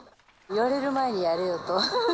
言われる前にやれよと。